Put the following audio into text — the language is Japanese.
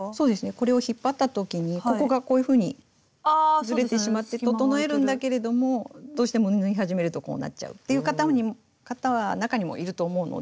これを引っ張った時にここがこういうふうにズレてしまって整えるんだけれどもどうしても縫い始めるとこうなっちゃうっていう方中にもいると思うので。